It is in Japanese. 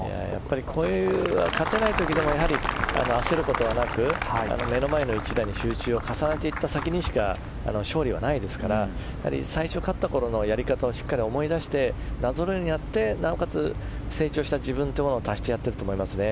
こういう勝てない時でも焦ることなく目の前の一打に集中を重ねていった先にしか勝利はないですから最初勝ったころのやり方をしっかり思い出してなぞらえるようにやってなおかつ成長した自分を出してやってると思いますね。